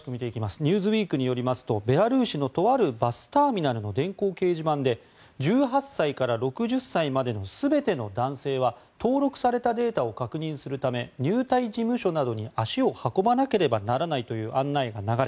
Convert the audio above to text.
「ニューズウィーク」によりますとベラルーシのとあるバスターミナルの電光掲示板で１８歳から６０歳までの全ての男性は登録されたデータを確認するため入隊事務所などに足を運ばなければならないという案内が流れ